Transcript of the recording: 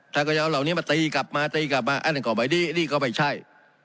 ท่านก็จะเอาเหล่านี้มาตีกลับมาตีกลับมาอันนั้นก็ไม่ดีนี่ก็ไม่ใช่